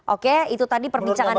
oke itu tadi perbincangan kita